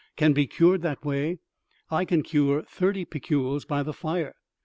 can be cured that way, I can cure thirty piculs by the fire.